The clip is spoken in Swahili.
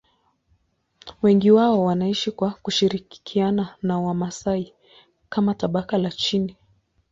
Wengi wao wanaishi kwa kushirikiana na Wamasai kama tabaka la chini.